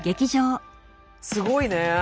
すごいね。